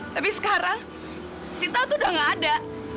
tapi sekarang sita tuh udah gak ada